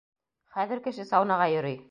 Хәҙер кеше саунаға йөрөй.